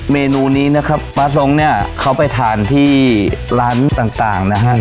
เมนูนี้นะครับป้าทรงเนี่ยเขาไปทานที่ร้านต่างนะฮะ